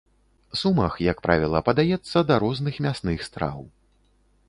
Сумах, як правіла, падаецца да розных мясных страў.